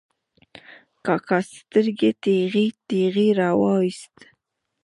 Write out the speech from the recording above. کاکا سترګې ټېغې ټېغې را وایستې.